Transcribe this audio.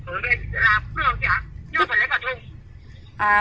muốn về chị tự làm cũng được chị ạ nhưng mà phải lấy cả thùng